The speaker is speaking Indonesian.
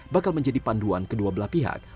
bakal menjadi panduan kedua belah pihak